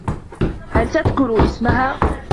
هل تذكر اسمها؟